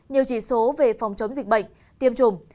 nhiều chỉ số về phòng chống dịch bệnh tiêm chủng